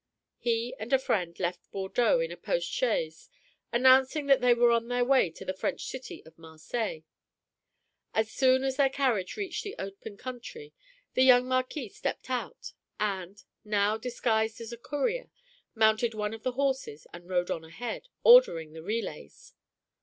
He and a friend left Bordeaux in a post chaise, announcing that they were on their way to the French city of Marseilles. As soon as their carriage reached the open country the young Marquis stepped out, and, now disguised as a courier, mounted one of the horses and rode on ahead, ordering the relays.